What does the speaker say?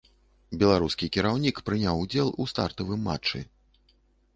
Беларускі кіраўнік прыняў удзел у стартавым матчы.